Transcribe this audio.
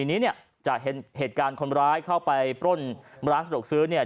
ทีนี้เนี่ยจากเหตุการณ์คนร้ายเข้าไปปล้นร้านสะดวกซื้อเนี่ย